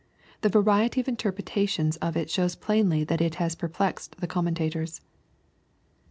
The variety of interpretations of it shows plainly that it has perplexed the commentators.